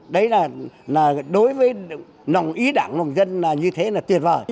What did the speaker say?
đấy là đối với nòng ý đảng nòng dân là như thế là tuyệt vời